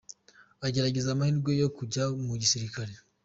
Agerageza amahirwe yo kujya mu gisirikare.